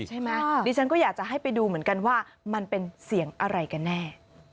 ดิฉันก็อยากจะให้ไปดูเหมือนกันว่ามันเป็นเสียงอะไรกันแน่